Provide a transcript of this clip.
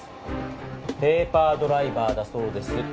ペーパードライバーだそうです。